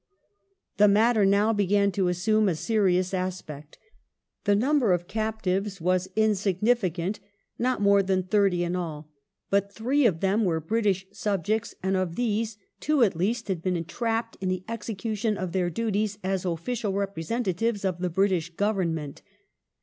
The matter now began to assume a serious aspect. The number of captives was insignificant — not more than thirty in all — but three of them were British subjects, and of these two at least had been entrapped in the execution of their duties as official representatives of the British Government.